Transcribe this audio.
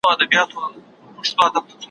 سړي وویل نه غواوي نه اوښان سته